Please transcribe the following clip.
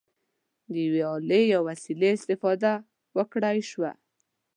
د یوې الې یا وسیلې استفاده وکړای شوه.